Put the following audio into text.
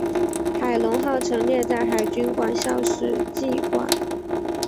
海龙号陈列在海军官校史绩馆。